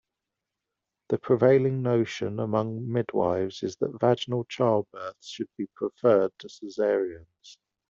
The prevailing notion among midwifes is that vaginal childbirths should be preferred to cesareans.